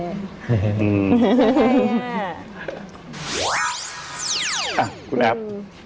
อ้าวคุณแอฟ